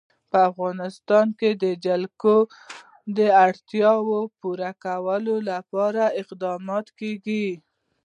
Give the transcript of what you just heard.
په افغانستان کې د جلګه د اړتیاوو پوره کولو لپاره اقدامات کېږي.